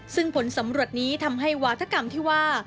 ซึ่งผลสำรวจนี้ทำให้วาธกรรมที่ว่า